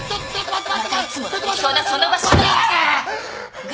またいつもの適当なその場しのぎですか？